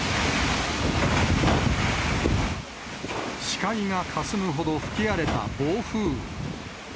視界がかすむほど吹き荒れた暴風雨。